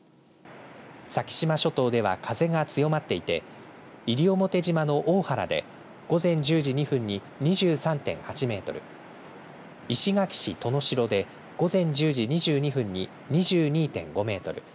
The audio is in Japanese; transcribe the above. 先島諸島では、風が強まっていて西表島の大原で午前１０時２分に２３．８メートル石垣市登野城で午前１０時２２分に２２．５メートル